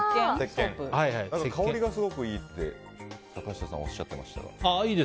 香りがすごくいいと坂下さんがおっしゃっていました。